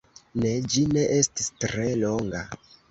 Ne, ĝi ne estis tre longa.